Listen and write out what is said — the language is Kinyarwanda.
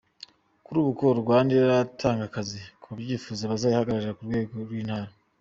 Kuri ubu Call Rwanda iratanga akazi kubabyifuza bazayihagararira ku rwego rw’intara, .